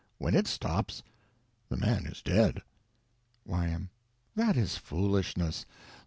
When it stops, the man is dead. Y.M. That is foolishness.